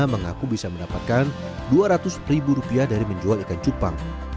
mengaku bisa mendapatkan dua ratus ribu rupiah dari menjual ikan cupang